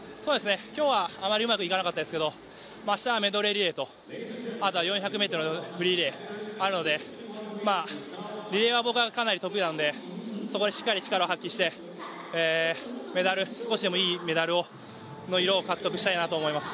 今日はあまりうまくいかなかったですけど、明日はメドレーリレーとあとは４００ｍのフリーリレーがあるのでリレーは僕はかなり得意なのでそこでしっかり力を発揮して少しでもいいメダルの色を獲得したいと思います。